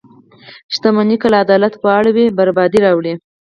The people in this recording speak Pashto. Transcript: • شتمني که له عدالته واوړي، بربادي راوړي.